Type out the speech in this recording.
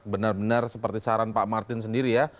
benar benar seperti saran pak martin sendiri ya